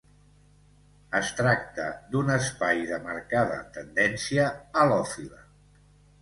Es tracta d’un espai de marcada tendència halòfila.